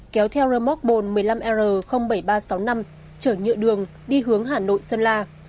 kéo theo remote bồn một mươi năm r bảy nghìn ba trăm sáu mươi năm chở nhựa đường đi hướng hà nội sân la